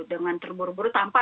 dengan terburu buru tanpa